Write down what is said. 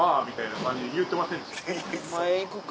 お前行くか？